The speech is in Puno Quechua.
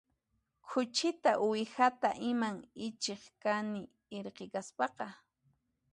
Khuchita uwihata iman ichiq kani irqi kaspaqa